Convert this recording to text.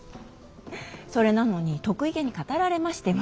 それなのに得意げに語られましても。